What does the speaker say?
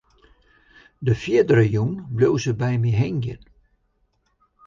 De fierdere jûn bleau se by my hingjen.